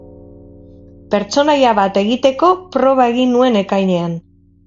Pertsonaia bat egiteko proba egin nuen ekainean.